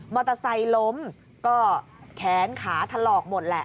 เตอร์ไซค์ล้มก็แขนขาถลอกหมดแหละ